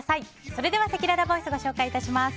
それではせきららボイスご紹介致します。